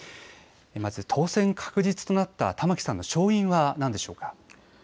まず当選確実となった玉城さんの勝因は何でしょうか。